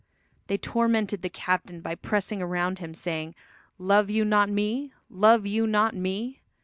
They tormented the captain by pressing around him saying, "Love you not me? Love you not me?"